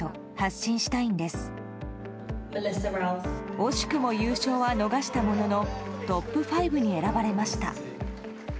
惜しくも優勝は逃したもののトップ５に選ばれました。